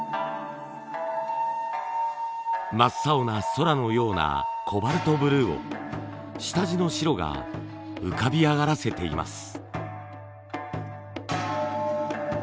真っ青な空のようなコバルトブルーを下地の白が浮かび上がらせています。